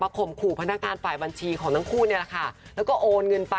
ผมก็มีหัวใจของคุณนั่นแหละ